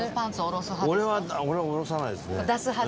俺は下ろさないですね。